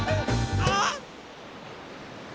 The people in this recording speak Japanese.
あっ。